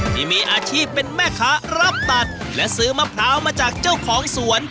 ที่มีอาชีพเป็นแม่ค้ารับตัดและซื้อมะพร้าวมาจากเจ้าของสวน